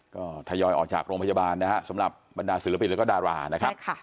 ก็ทยอยออกจากโรงพยาบาลนะฮะสำหรับบรรดาศิลปินแล้วก็ดารานะครับ